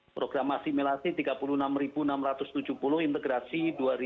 program asimilasi tiga puluh enam enam ratus tujuh puluh integrasi dua dua ratus lima